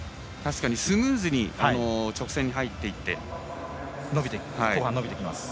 スムーズに直線に入ってきて後半、伸びてきます。